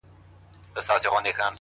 راڅخه زړه وړي رانه ساه وړي څوك ـ